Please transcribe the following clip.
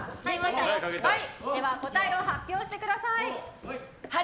答えを発表してください。